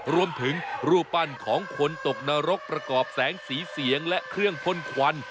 รูปปั้นของคนตกนรกประกอบแสงสีเสียงและเครื่องพ่นควัน